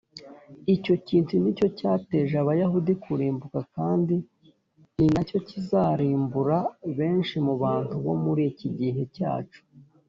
icyo kintu ni cyo cyateje abayahudi kurimbuka kandi ni nacyo kizarimbura benshi mu bantu bo muri iki gihe cyacu